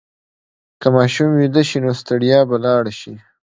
که ماشوم ویده شي، نو ستړیا به لاړه شي.